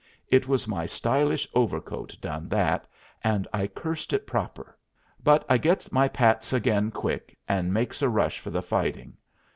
It was my stylish overcoat done that, and I cursed it proper, but I gets my pats again quick, and makes a rush for the fighting.